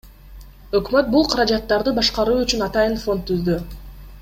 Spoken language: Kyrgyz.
Өкмөт бул каражаттарды башкаруу үчүн атайын фонд түздү.